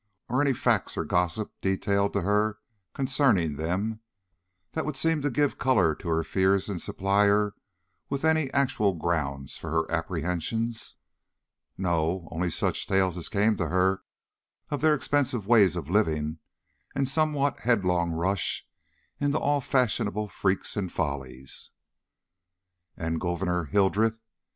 or any facts or gossip detailed to her concerning them, that would seem to give color to her fears and supply her with any actual grounds for her apprehensions?" "No; only such tales as came to her of their expensive ways of living and somewhat headlong rush into all fashionable freaks and follies." "And Gouverneur Hildreth?